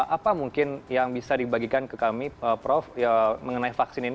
apa mungkin yang bisa dibagikan ke kami prof mengenai vaksin ini